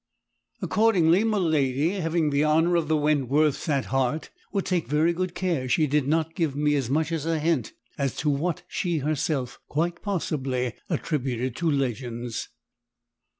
Accordingly, miladi, having the honour of the Wentworths at heart, would take very good care she did not give me as much as a hint as to what she herself, quite possibly, attributed to legends.